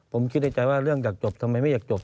ผมคิดในใจว่าเรื่องอยากจบทำไมไม่อยากจบ